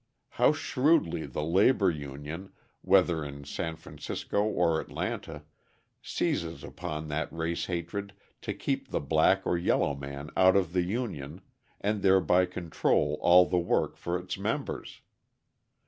How shrewdly the labour union, whether in San Francisco or Atlanta, seizes upon that race hatred to keep the black or yellow man out of the union and thereby control all the work for its members!